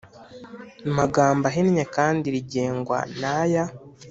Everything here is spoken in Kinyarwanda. magambo ahinnye kandi rigengwa n aya